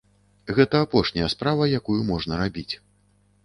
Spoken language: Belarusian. Гэта апошняя справа, якую можна рабіць.